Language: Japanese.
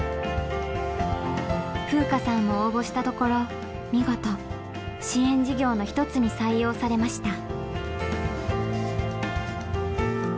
風夏さんも応募したところ見事支援事業の１つに採用されました。